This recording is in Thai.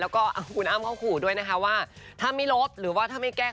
แล้วก็คุณอ้าวเขาก็ขอด้วยนะคะถ้าไม่ลบหรือว่าถ้ามัยแก้ไขข้อความค่ะ